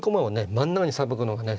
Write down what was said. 真ん中にさばくのがね